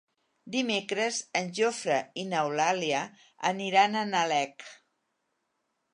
Dimecres en Jofre i n'Eulàlia aniran a Nalec.